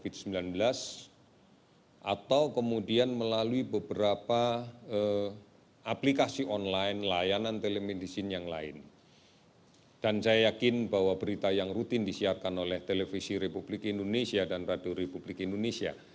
dan saya yakin bahwa berita yang rutin disiarkan oleh televisi republik indonesia dan radio republik indonesia